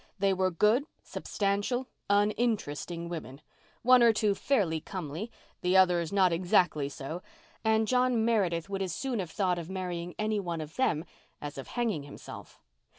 They were good, substantial, uninteresting women, one or two fairly comely, the others not exactly so and John Meredith would as soon have thought of marrying any one of them as of hanging himself.